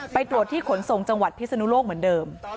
ไปตรวจที่ขนส่งจังหวัดพิศนุโลกเหมือนเดิม